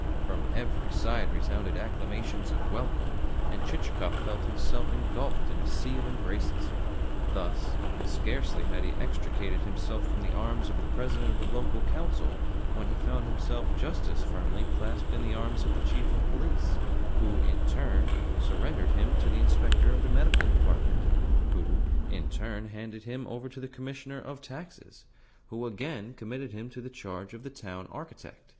From every side resounded acclamations of welcome, and Chichikov felt himself engulfed in a sea of embraces. Thus, scarcely had he extricated himself from the arms of the President of the Local Council when he found himself just as firmly clasped in the arms of the Chief of Police, who, in turn, surrendered him to the Inspector of the Medical Department, who, in turn, handed him over to the Commissioner of Taxes, who, again, committed him to the charge of the Town Architect.